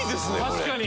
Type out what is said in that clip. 確かに。